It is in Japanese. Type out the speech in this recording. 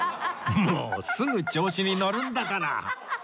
もうすぐ調子に乗るんだから